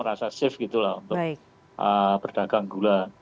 rasa safe gitu lah untuk berdagang gula